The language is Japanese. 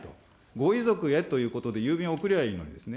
ご遺族へということで、郵便送りゃいいのにですね。